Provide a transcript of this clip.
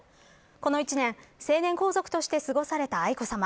この１年、成年皇族として過ごされた愛子さま。